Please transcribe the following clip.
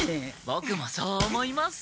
ボクもそう思います。